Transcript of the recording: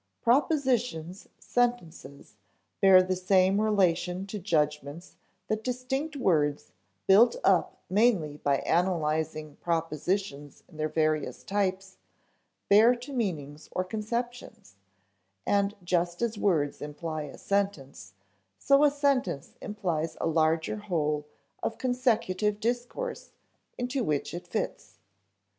Propositions, sentences, bear the same relation to judgments that distinct words, built up mainly by analyzing propositions in their various types, bear to meanings or conceptions; and just as words imply a sentence, so a sentence implies a larger whole of consecutive discourse into which it fits.